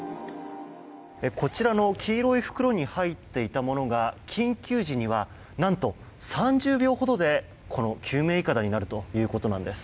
こちらの黄色い袋に入っていたものが緊急時には、何と３０秒ほどでこの救命いかだになるということなんです。